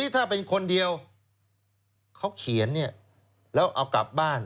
ถ้าเป็นคนเดียวเขาเขียนแล้วเอากลับบ้าน